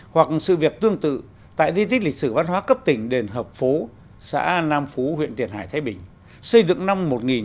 hoặc sự việc tương tự tại di tích lịch sử văn hóa cấp tỉnh đền hợp phố xã nam phú huyện tiền hải thái bình xây dựng năm một nghìn chín trăm bảy mươi